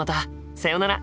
さよなら。